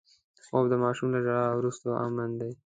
خوب د ماشوم له ژړا وروسته امن دی